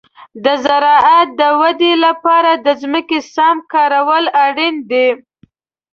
د زراعت د ودې لپاره د ځمکې سم کارول اړین دي.